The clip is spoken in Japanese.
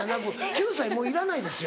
９歳もういらないですよ。